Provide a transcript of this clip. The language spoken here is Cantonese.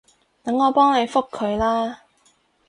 等我幫你覆佢啦